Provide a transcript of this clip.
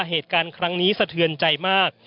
เหตุการณ์ครั้งนี้สะเทือนใจมาก